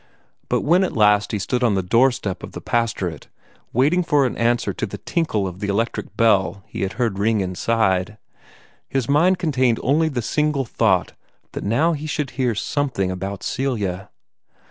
But when at last he stood on the doorstep of the pastorate, waiting for an answer to the tinkle of the electric bell he had heard ring inside, his mind contained only the single thought that now he should hear something about Celia.